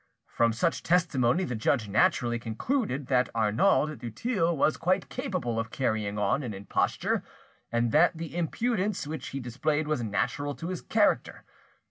From such testimony the judge naturally concluded that Arnauld du Thill was quite capable of carrying on, an imposture, and that the impudence which he displayed was natural to his character.